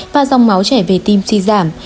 và dòng máu trẻ về tim si giảm